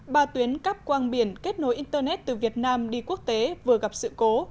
ba tuyến cắp quang biển kết nối internet từ việt nam đi quốc tế vừa gặp sự cố